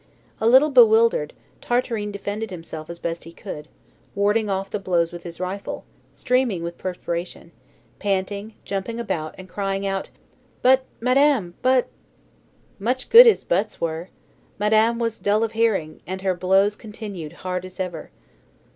A little bewildered, Tartarin defended himself as best he could, warding off the blows with his rifle, streaming with perspiration, panting, jumping about, and crying out: "But, Madame, but" Much good his buts were! Madame was dull of hearing, and her blows continued hard as ever.